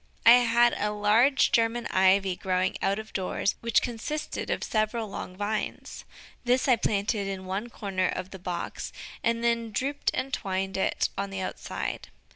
I had a large German Ivy growing out of doors, which consisted of several long vines. This I planted in one corner of the box, and then drooped and twined it on the outside.